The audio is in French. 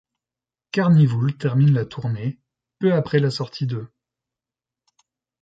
Karnivool termine la tournée ' peu après la sortie de '.